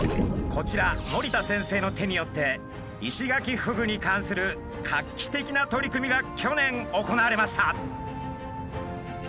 こちら森田先生の手によってイシガキフグに関する画期的な取り組みが去年行われました。